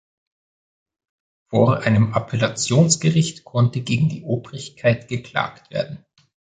Vor einem Appellationsgericht konnte gegen die Obrigkeit geklagt werden.